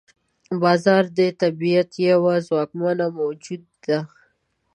باز د طبیعت یو ځواکمنه موجود ده